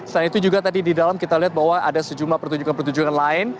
selain itu juga tadi di dalam kita lihat bahwa ada sejumlah pertunjukan pertunjukan lain